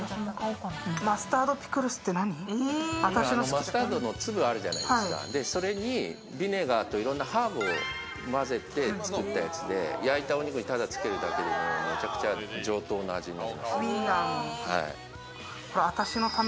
マスタードのつぶあるじゃないですか、それにビネガーとかいろんなハーブを混ぜて作ったやつで焼いたお肉にただつけるだけでもめちゃくちゃ上等な味に。